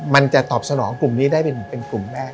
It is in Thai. มันจะตอบสนองกลุ่มนี้ได้เป็นกลุ่มแรก